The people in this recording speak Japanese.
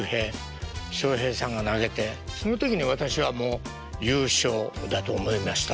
その時に私はもう「ゆうしょう」だと思いました。